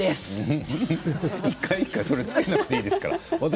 １回１回つけなくていいですから。